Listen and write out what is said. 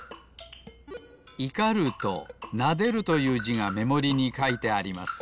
「怒る」と「撫でる」というじがめもりにかいてあります。